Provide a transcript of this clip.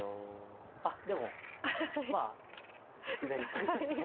あっでもまあ自然に取りましたね。